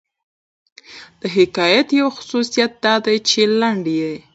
د حکایت یو خصوصیت دا دئ، چي لنډ يي.